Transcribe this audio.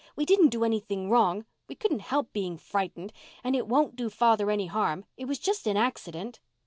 "We didn't do anything wrong. We couldn't help being frightened. And it won't do father any harm. It was just an accident."